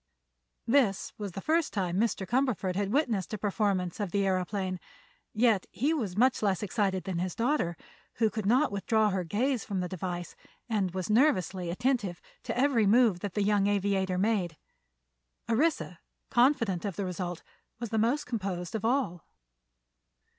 This was the first time Mr. Cumberford had witnessed a performance of the aëroplane, yet he was much less excited than his daughter, who could not withdraw her gaze from the device and was nervously attentive to every move that the young aviator made. Orissa, confident of the result, was most composed of all.